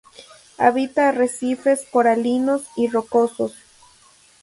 Habita arrecifes coralinos y rocosos.